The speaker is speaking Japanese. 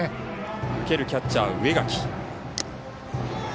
受けるキャッチャー、植垣。